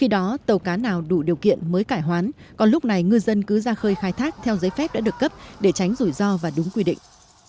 dân cứ ra khơi khai thác theo giấy phép đã được cấp để tránh rủi ro và đúng quy định